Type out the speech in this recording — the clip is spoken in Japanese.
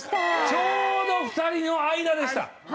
ちょうど２人の間でした。